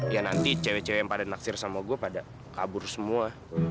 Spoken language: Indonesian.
ya nanti cewek cewek yang pada naksir sama gue pada kabur semua